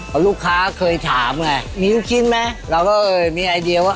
เพราะลูกค้าเคยถามไงมีลูกชิ้นไหมเราก็เออมีไอเดียว่า